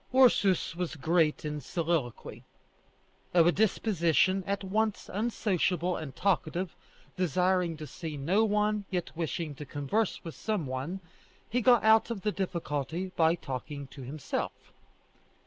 Ursus was great in soliloquy. Of a disposition at once unsociable and talkative, desiring to see no one, yet wishing to converse with some one, he got out of the difficulty by talking to himself.